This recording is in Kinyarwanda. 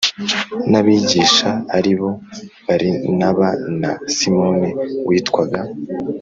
n abigisha ari bo Barinaba na Simoni witwaga